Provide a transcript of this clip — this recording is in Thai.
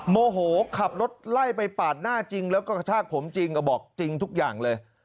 โมโหขับรถไล่ไปปาดหน้าจริงแล้วก็กระชากผมจริงก็บอกจริงทุกอย่างเลย